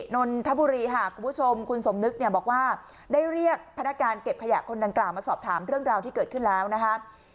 นนทบุรีค่ะคุณผู้ชมคุณสมนึกเนี่ยบอกว่าได้เรียกพนักการเก็บขยะคนดังกล่าวมาสอบถามเรื่องราวที่เกิดขึ้นแล้วนะคะ